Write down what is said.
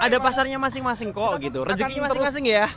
ada pasarnya masing masing kok gitu rezekinya masing masing ya